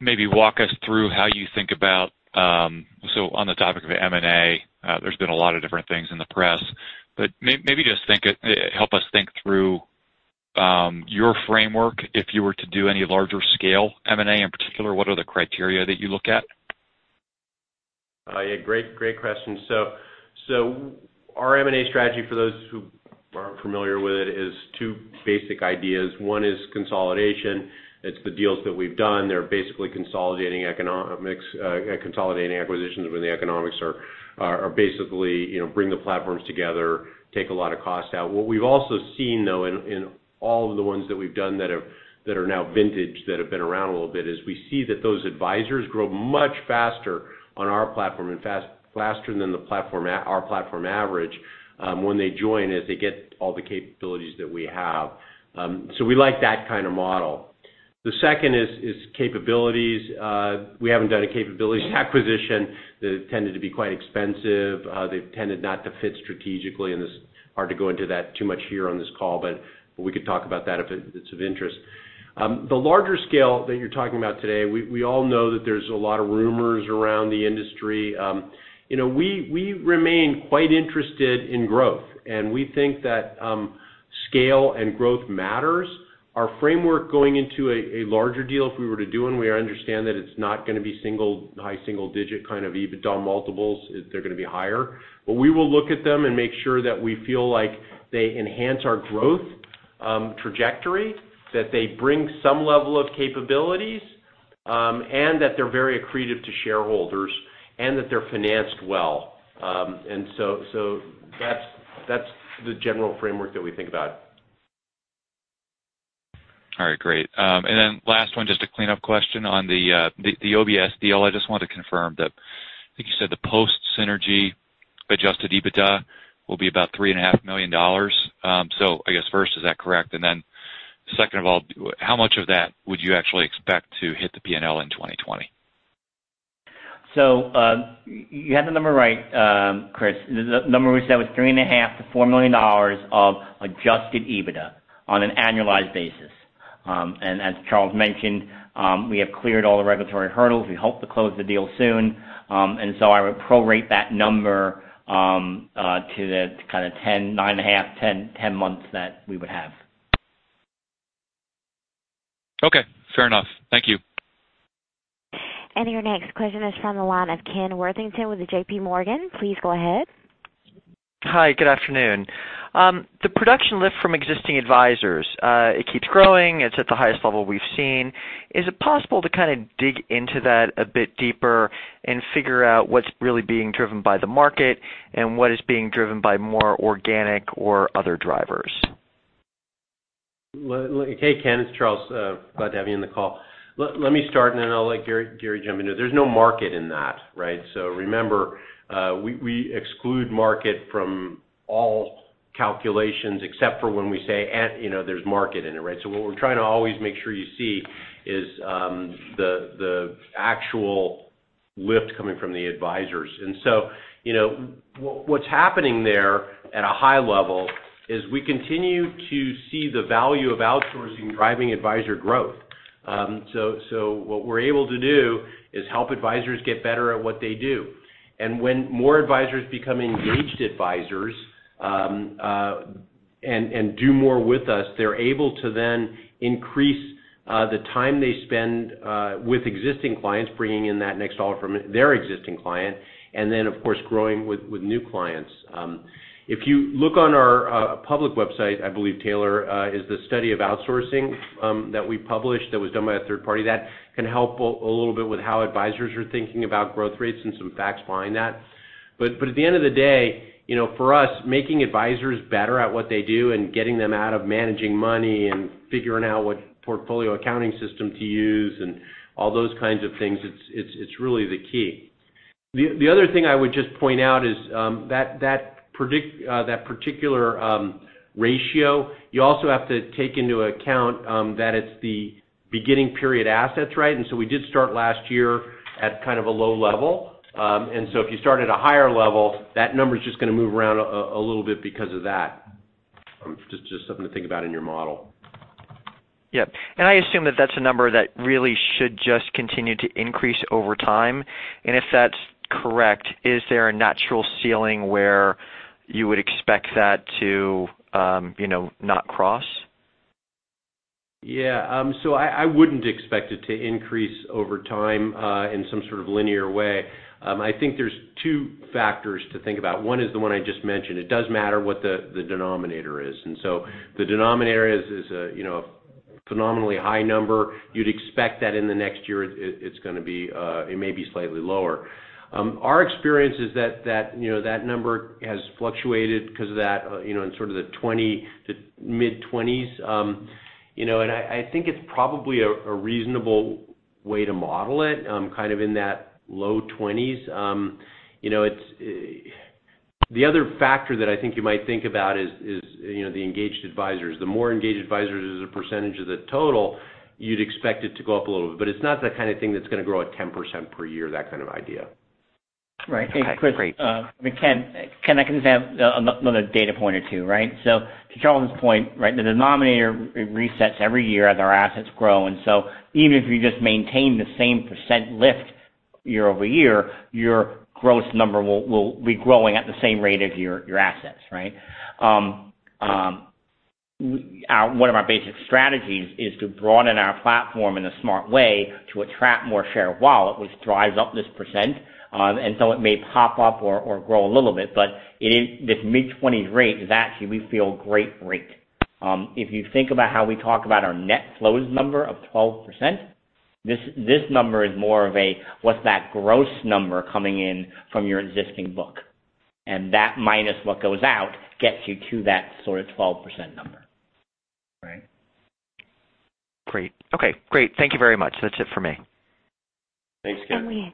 maybe walk us through on the topic of M&A, there's been a lot of different things in the press, but maybe just help us think through your framework. If you were to do any larger scale M&A in particular, what are the criteria that you look at? Our M&A strategy, for those who aren't familiar with it, is two basic ideas. One is consolidation. It's the deals that we've done. They're basically consolidating acquisitions where the economics are basically bring the platforms together, take a lot of cost out. What we've also seen, though, in all of the ones that we've done that are now vintage, that have been around a little bit, is we see that those advisors grow much faster on our platform, and faster than our platform average when they join, as they get all the capabilities that we have. We like that kind of model. The second is capabilities. We haven't done a capabilities acquisition. They've tended to be quite expensive. They've tended not to fit strategically, and it's hard to go into that too much here on this call, but we could talk about that if it's of interest. The larger scale that you're talking about today, we all know that there's a lot of rumors around the industry. We remain quite interested in growth, and we think that scale and growth matters. Our framework going into a larger deal, if we were to do one, we understand that it's not going to be high single-digit kind of EBITDA multiples. They're going to be higher. We will look at them and make sure that we feel like they enhance our growth trajectory, that they bring some level of capabilities, and that they're very accretive to shareholders, and that they're financed well. That's the general framework that we think about. All right, great. Then last one, just a cleanup question on the OBS deal. I just wanted to confirm that, I think you said the post-synergy adjusted EBITDA will be about $3.5 million. I guess first, is that correct? Then second of all, how much of that would you actually expect to hit the P&L in 2020? You have the number right, Chris. The number we said was $3.5 million-$4 million of adjusted EBITDA on an annualized basis. As Charles mentioned, we have cleared all the regulatory hurdles. We hope to close the deal soon. I would prorate that number to the kind of 9.5, 10 months that we would have. Okay, fair enough. Thank you. Your next question is from the line of Ken Worthington with J.P. Morgan. Please go ahead. Hi, good afternoon. The production lift from existing advisors, it keeps growing. It's at the highest level we've seen. Is it possible to kind of dig into that a bit deeper and figure out what's really being driven by the market and what is being driven by more organic or other drivers? Hey, Ken, it's Charles. Glad to have you on the call. Let me start, and then I'll let Gary jump into it. There's no market in that, right? Remember, we exclude market from all calculations except for when we say there's market in it, right? What we're trying to always make sure you see is the actual lift coming from the advisors. What's happening there at a high level is we continue to see the value of outsourcing driving advisor growth. What we're able to do is help advisors get better at what they do. When more advisors become engaged advisors and do more with us, they're able to then increase the time they spend with existing clients, bringing in that next dollar from their existing client. Of course, growing with new clients. If you look on our public website, I believe, Taylor, is the study of outsourcing that we published that was done by a third party. That can help a little bit with how advisors are thinking about growth rates and some facts behind that. At the end of the day, for us, making advisors better at what they do and getting them out of managing money and figuring out what portfolio accounting system to use and all those kinds of things, it's really the key. The other thing I would just point out is that particular ratio, you also have to take into account that it's the beginning period assets, right? We did start last year at kind of a low level. If you start at a higher level, that number's just going to move around a little bit because of that. Just something to think about in your model. Yep. I assume that that's a number that really should just continue to increase over time. If that's correct, is there a natural ceiling where you would expect that to not cross? Yeah. I wouldn't expect it to increase over time in some sort of linear way. I think there's two factors to think about. One is the one I just mentioned. It does matter what the denominator is. The denominator is a phenomenally high number. You'd expect that in the next year, it may be slightly lower. Our experience is that number has fluctuated because of that in sort of the mid-20s. I think it's probably a reasonable way to model it kind of in that low 20s. The other factor that you might think about is the engaged advisors. The more engaged advisors as a percentage of the total, you'd expect it to go up a little bit. It's not the kind of thing that's going to grow at 10% per year, that kind of idea. Right. Okay, great. Ken, I can just add another data point or two, right? To Charles' point, right, the denominator resets every year as our assets grow. Even if you just maintain the same percent lift year over year, your growth number will be growing at the same rate as your assets, right? One of our basic strategies is to broaden our platform in a smart way to attract more share of wallet, which drives up this percent. It may pop up or grow a little bit, but this mid-20s rate is actually, we feel, great rate. If you think about how we talk about our net flows number of 12%, this number is more of a what's that gross number coming in from your existing book. That minus what goes out gets you to that sort of 12% number. Right. Great. Okay, great. Thank you very much. That's it for me. Thanks, Ken.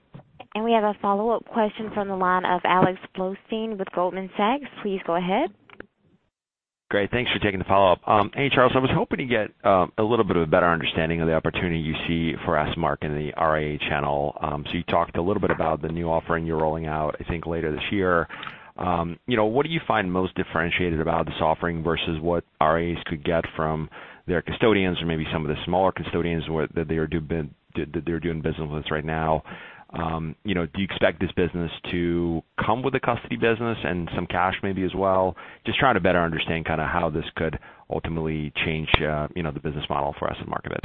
We have a follow-up question from the line of Alexander Blostein with Goldman Sachs. Please go ahead. Great. Thanks for taking the follow-up. Hey, Charles, I was hoping to get a little bit of a better understanding of the opportunity you see for AssetMark in the RIA channel. You talked a little bit about the new offering you're rolling out, I think later this year. What do you find most differentiated about this offering versus what RIAs could get from their custodians or maybe some of the smaller custodians that they're doing business with right now? Do you expect this business to come with a custody business and some cash maybe as well? Just trying to better understand how this could ultimately change the business model for AssetMark a bit.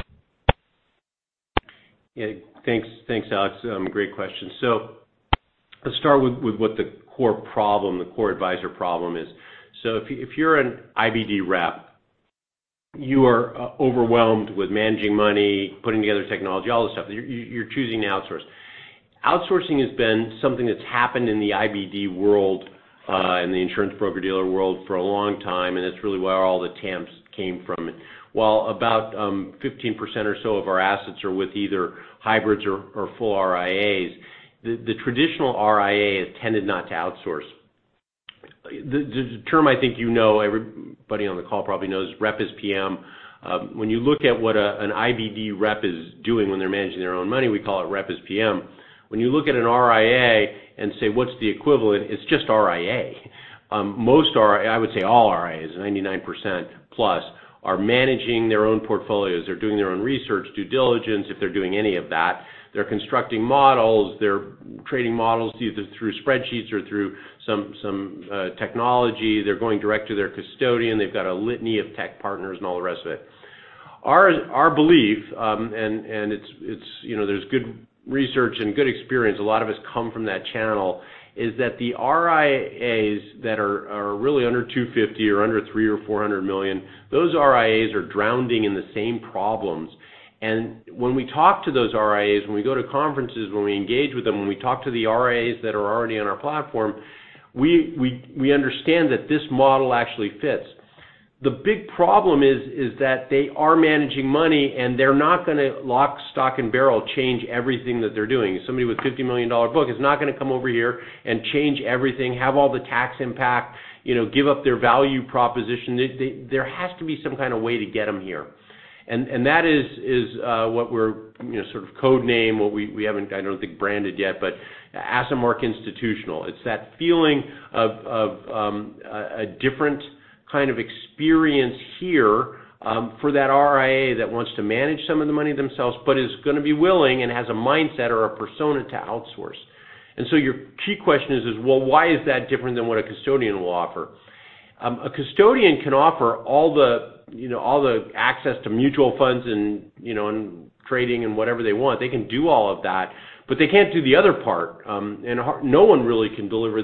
Thanks, Alex. Great question. Let's start with what the core problem, the core advisor problem is. If you're an IBD rep, you are overwhelmed with managing money, putting together technology, all this stuff. You're choosing to outsource. Outsourcing has been something that's happened in the IBD world, in the insurance broker-dealer world for a long time, and it's really where all the TAMPs came from. While about 15% or so of our assets are with either hybrids or full RIAs, the traditional RIA has tended not to outsource. The term I think you know, everybody on the call probably knows, Rep as PM. When you look at what an IBD rep is doing when they're managing their own money, we call it Rep as PM. When you look at an RIA and say, what's the equivalent? It's just RIA. Most RIA, I would say all RIAs, 99% plus, are managing their own portfolios. They're doing their own research, due diligence, if they're doing any of that. They're constructing models. They're creating models either through spreadsheets or through some technology. They're going direct to their custodian. They've got a litany of tech partners and all the rest of it. Our belief, and there's good research and good experience, a lot of it's come from that channel, is that the RIAs that are really under $250 million or under $300 million or $400 million, those RIAs are drowning in the same problems. When we talk to those RIAs, when we go to conferences, when we engage with them, when we talk to the RIAs that are already on our platform, we understand that this model actually fits. The big problem is that they are managing money, and they're not going to lock, stock, and barrel change everything that they're doing. Somebody with a $50 million book is not going to come over here and change everything, have all the tax impact, give up their value proposition. There has to be some kind of way to get them here. That is what we're sort of codename what we haven't, I don't think, branded yet, but AssetMark Institutional. It's that feeling of a different kind of experience here for that RIA that wants to manage some of the money themselves but is going to be willing and has a mindset or a persona to outsource. Your key question is, well, why is that different than what a custodian will offer? A custodian can offer all the access to mutual funds and trading and whatever they want. They can do all of that, but they can't do the other part. No one really can deliver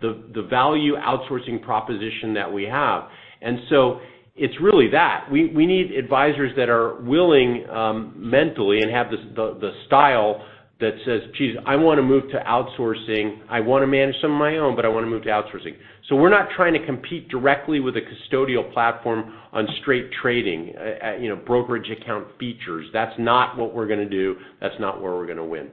the value outsourcing proposition that we have. It's really that. We need advisors that are willing mentally and have the style that says, geez, I want to move to outsourcing. I want to manage some of my own, but I want to move to outsourcing. We're not trying to compete directly with a custodial platform on straight trading brokerage account features. That's not what we're going to do. That's not where we're going to win.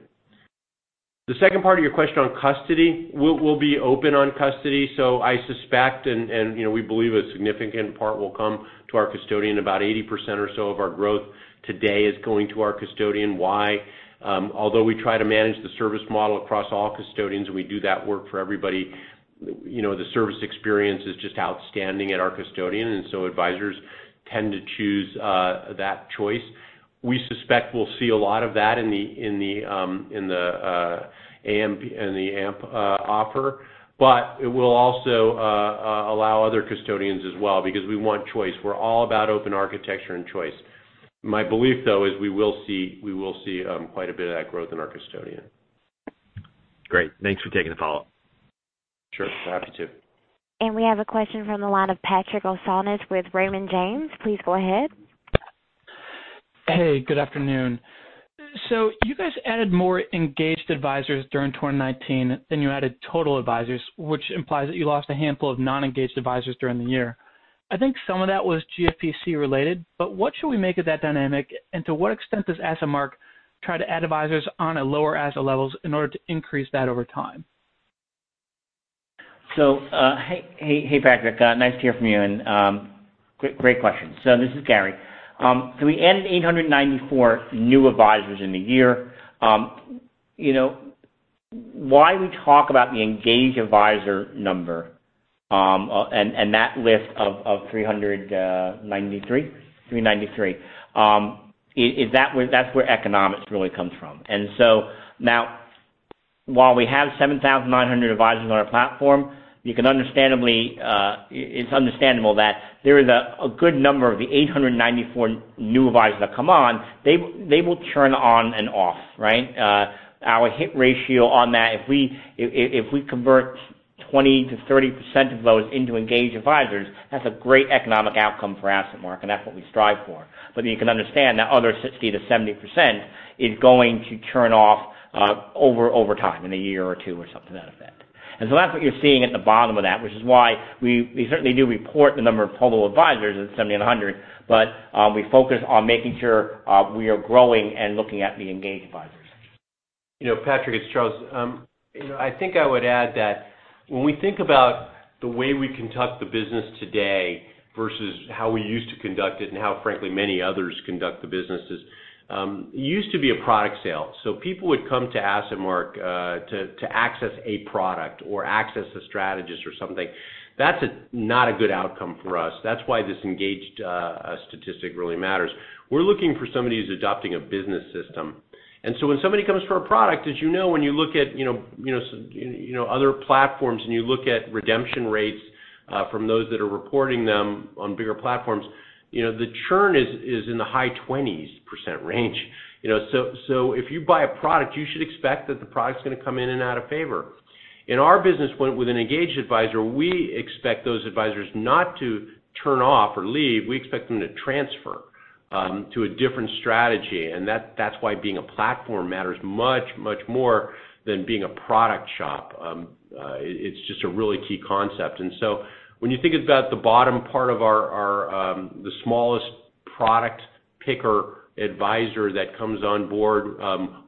The second part of your question on custody, we'll be open on custody. I suspect, and we believe a significant part will come to our custodian. About 80% or so of our growth today is going to our custodian. Why? Although we try to manage the service model across all custodians, and we do that work for everybody the service experience is just outstanding at our custodian, and so advisors tend to choose that choice. It will also allow other custodians as well because we want choice. We're all about open architecture and choice. My belief, though, is we will see quite a bit of that growth in our custodian. Great. Thanks for taking the follow-up. Sure. Happy to. We have a question from the line of Patrick O'Shaughnessy with Raymond James. Please go ahead. Good afternoon. You guys added more engaged advisors during 2019 than you added total advisors, which implies that you lost a handful of non-engaged advisors during the year. I think some of that was GFPC related, but what should we make of that dynamic, and to what extent does AssetMark try to add advisors on at lower asset levels in order to increase that over time? Hey, Patrick. Nice to hear from you, and great question. This is Gary. We ended 894 new advisors in the year. Why we talk about the engaged advisor number, and that list of 393, is that's where economics really comes from. While we have 7,900 advisors on our platform, it's understandable that there is a good number of the 894 new advisors that come on. They will churn on and off, right? Our hit ratio on that, if we convert 20%-30% of those into engaged advisors, that's a great economic outcome for AssetMark, and that's what we strive for. You can understand that other 60%-70% is going to churn off over time, in a year or two, or something to that effect. That's what you're seeing at the bottom of that, which is why we certainly do report the number of total advisors at 7,900, but we focus on making sure we are growing and looking at the engaged advisors. Patrick, it's Charles. I think I would add that when we think about the way we conduct the business today versus how we used to conduct it and how, frankly, many others conduct the businesses. It used to be a product sale. People would come to AssetMark to access a product or access a strategist or something. That's not a good outcome for us. That's why this engaged statistic really matters. We're looking for somebody who's adopting a business system. When somebody comes for a product, as you know, when you look at other platforms and you look at redemption rates from those that are reporting them on bigger platforms, the churn is in the high 20s% range. If you buy a product, you should expect that the product's going to come in and out of favor. In our business, with an engaged advisor, we expect those advisors not to turn off or leave, we expect them to transfer to a different strategy. That's why being a platform matters much, much more than being a product shop. It's just a really key concept. When you think about the bottom part of the smallest product picker advisor that comes on board,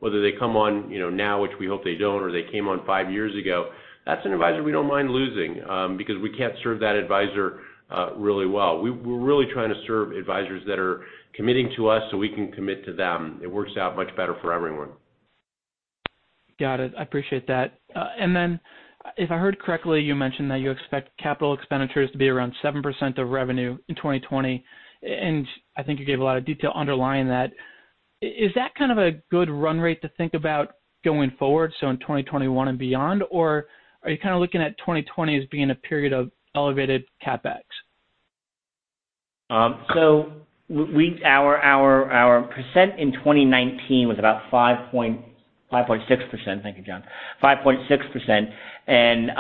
whether they come on now, which we hope they don't, or they came on five years ago, that's an advisor we don't mind losing, because we can't serve that advisor really well. We're really trying to serve advisors that are committing to us so we can commit to them. It works out much better for everyone. Got it. I appreciate that. If I heard correctly, you mentioned that you expect capital expenditures to be around 7% of revenue in 2020, and I think you gave a lot of detail underlying that. Is that kind of a good run rate to think about going forward, so in 2021 and beyond? Or are you looking at 2020 as being a period of elevated CapEx? Our percent in 2019 was about 5.6%. Thank you, John. 5.6%, and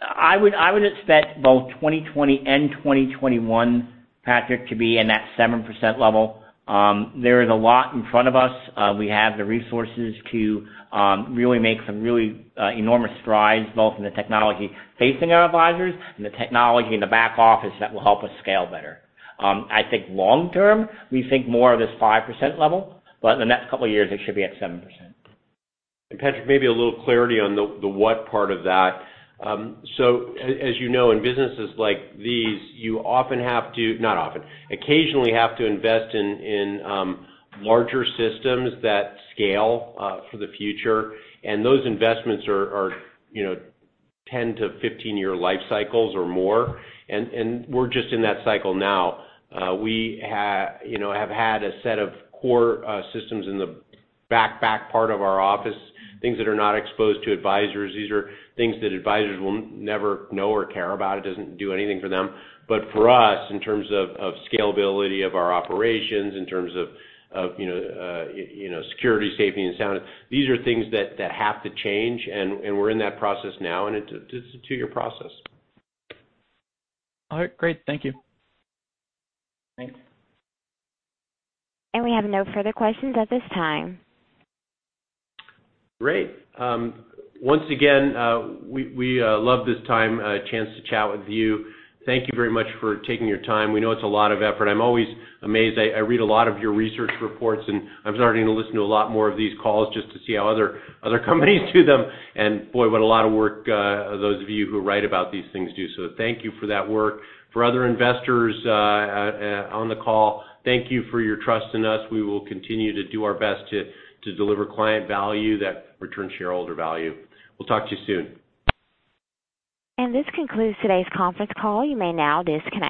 I would expect both 2020 and 2021, Patrick, to be in that 7% level. There is a lot in front of us. We have the resources to really make some really enormous strides, both in the technology facing our advisors and the technology in the back office that will help us scale better. I think long term, we think more of this 5% level, but in the next couple of years, it should be at 7%. Patrick, maybe a little clarity on the what part of that. As you know, in businesses like these, you often have to Not often, occasionally have to invest in larger systems that scale for the future, and those investments are 10 to 15-year life cycles or more, and we're just in that cycle now. We have had a set of core systems in the back part of our office, things that are not exposed to advisors. These are things that advisors will never know or care about. It doesn't do anything for them. For us, in terms of scalability of our operations, in terms of security, safety, and sound, these are things that have to change, and we're in that process now, and it's a two-year process. All right, great. Thank you. Thanks. We have no further questions at this time. Great. Once again, we love this time, a chance to chat with you. Thank you very much for taking your time. We know it's a lot of effort. I'm always amazed. I read a lot of your research reports, and I'm starting to listen to a lot more of these calls just to see how other companies do them. Boy, what a lot of work those of you who write about these things do. Thank you for that work. For other investors on the call, thank you for your trust in us. We will continue to do our best to deliver client value that returns shareholder value. We'll talk to you soon. This concludes today's conference call. You may now disconnect.